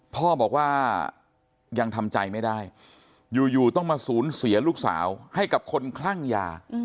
พ่อบอกว่ายังทำใจไม่ได้อยู่ต้องมาสูญเสียลูกสาวให้กับคนคลั่งยา